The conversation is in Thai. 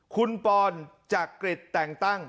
คุณปอนจักริตแต่งตั้ง